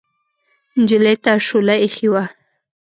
نجلۍ ته شوله اېښې وه.